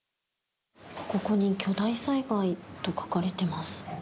ここに巨大災害と書かれています。